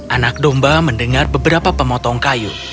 anak domba mendengar beberapa pemotong kayu